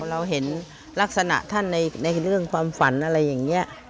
เราเห็นลักษณะท่านในเรื่องความฝันอะไรอย่างนี้